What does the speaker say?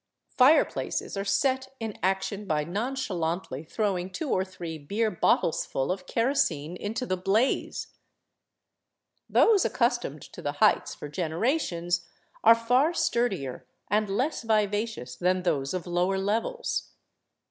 Fireplaces are set in ac tion by nonchalantly throwing two or three beer bottlesful of kerosene into the blaze. Those accustomed to the heights for generations are far sturdier and less vivacious than those of lower levels.